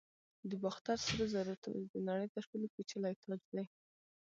د باختر سرو زرو تاج د نړۍ تر ټولو پیچلی تاج دی